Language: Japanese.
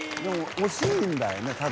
惜しいんだよねただ。